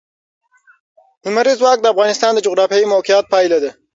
لمریز ځواک د افغانستان د جغرافیایي موقیعت پایله ده.